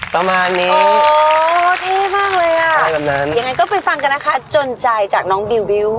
ประมาณนี้โอ้เท่มากเลยอ่ะยังไงก็ไปฟังกันนะคะจนใจจากน้องบิว